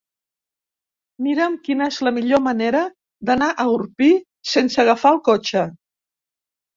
Mira'm quina és la millor manera d'anar a Orpí sense agafar el cotxe.